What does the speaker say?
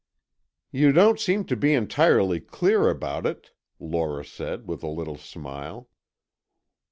"You don't seem to be entirely clear about it," Lora said, with a little smile.